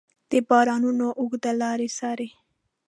د بارانونو اوږدې لارې څارې